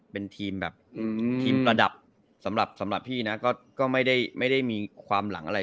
เป็นทีมระดับสำหรับพี่นะก็ไม่ได้มีความหลังอะไร